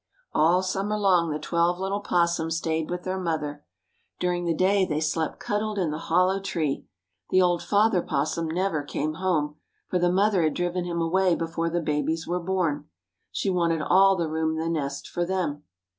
All summer long the twelve little opossums stayed with their mother. During the day they slept cuddled in the hollow tree. The old father opossum never came home, for the mother had driven him away before the babies were born. She wanted all the room in the nest for them.